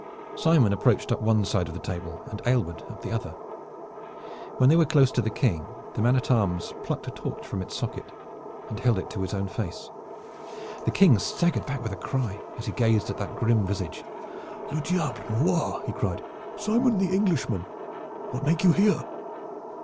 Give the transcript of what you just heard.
Simon approached up one side of the table and Aylward up the other. When they were close to the King, the man at arms plucked a torch from its socket and held it to his own face. The King staggered back with a cry, as he gazed at that grim visage. "Le diable noir!" he cried. "Simon, the Englishman! What make you here?"